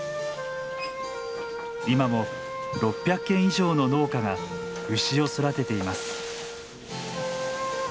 今も６００軒以上の農家が牛を育てています。